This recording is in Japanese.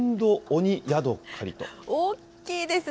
大きいですね。